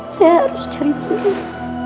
saya harus cari bening